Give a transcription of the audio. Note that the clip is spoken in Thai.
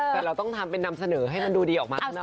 แต่เราต้องทำเป็นนำเสนอให้มันดูดีออกมาข้างหน้า